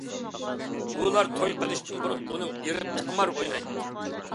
ئۇلار توي قىلىشتىن بۇرۇن ئۇنىڭ ئېرى قىمار ئوينايتتى.